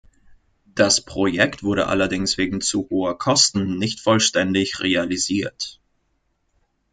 Das Projekt wurde allerdings wegen zu hoher Kosten nicht vollständig realisiert.